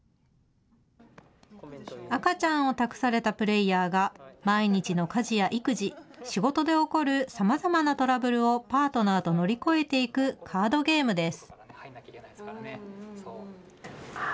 赤ちゃんを託されたプレーヤーが毎日の家事や育児、仕事で起こるさまざまなトラブルをパートナーと乗り越えていくカードゲームです。